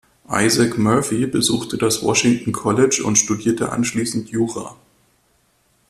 Isaac Murphy besuchte das Washington College und studierte anschließend Jura.